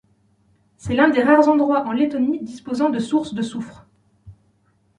C'est l'un des rares endroits en Lettonie disposant de sources de soufre.